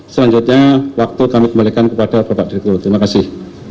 selanjutnya waktu kami kembalikan kepada bapak dirto terima kasih